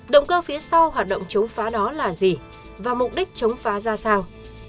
động cơ phía sau hoạt động chống phá đó là gì và mục đích chống phá ra sao